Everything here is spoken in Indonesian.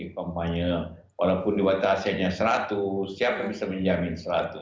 kampanye walaupun diwatasinnya seratus siapa bisa menjamin seratus